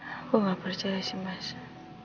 aku gak percaya sih masa